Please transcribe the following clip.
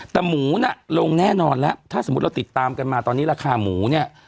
แต่หมูน่ะลงแน่นอนแล้วถ้าสมมุติเราติดตามกันมาตอนนี้ราคาหมูเนี่ย